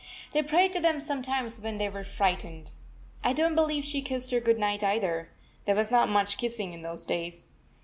They prayed to them sometimes when they were frightened. I don t believe she kissed her good night, either. There was not much kissing in those days..